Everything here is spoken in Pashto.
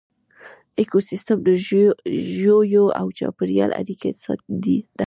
ایکوسیسټم د ژویو او چاپیریال اړیکه ده